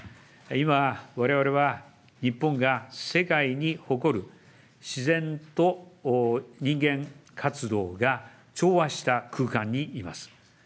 今、われわれは日本が世界に誇る自然と人間活動が調和した空間にいます。